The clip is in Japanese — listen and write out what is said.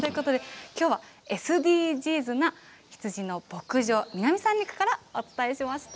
きょうはＳＤＧｓな羊の牧場南三陸からお伝えしました。